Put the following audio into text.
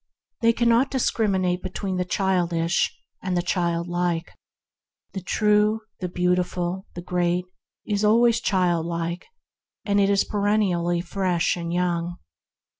They cannot discriminate between the childish and the child like. The True, the Beautiful, the Great, is always childlike, and is perennially fresh and young.